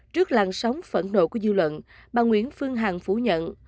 trước làn sóng phẫn nộ của dư luận bà nguyễn phương hằng phủ nhận